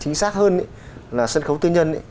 chính xác hơn là sân khấu tư nhân